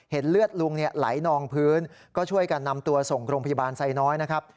เลือดลุงไหลนองพื้นก็ช่วยกันนำตัวส่งโรงพยาบาลไซน้อยนะครับ